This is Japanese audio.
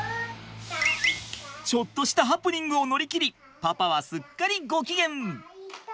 ちょっとしたハプニングを乗り切りパパはすっかりご機嫌。